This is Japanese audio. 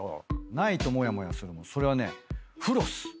ないとモヤモヤするものそれはねフロス。